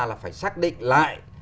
là phải xác định lại